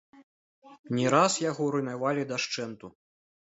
Не раз яго руйнавалі дашчэнту.